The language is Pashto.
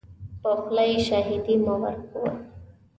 په خوله یې شاهدي مه ورکوه .